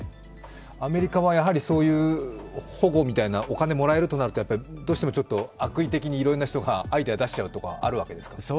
アメリカは、そういう保護みたいな、お金をもらえるとなるとどうしても悪意的にいろいろな人がアイデアを出しちゃうところがあるんですか？